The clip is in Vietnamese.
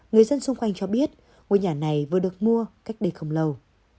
người dân xung quanh cho biết ngôi nhà này vừa được mua cách đây không lâu